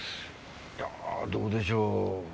いやどうでしょう？